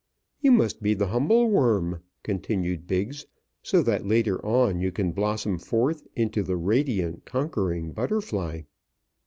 "You must be the humble worm," continued Biggs, "so that later on you can blossom forth into the radiant conquering butterfly."